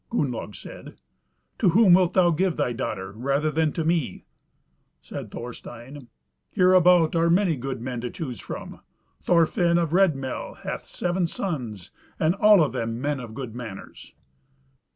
Gunnlaug said, "To whom wilt thou give thy daughter rather than to me?" Said Thorstein, "Hereabout are many good men to choose from. Thorfin of Red Mel hath seven sons, and all of them men of good manners."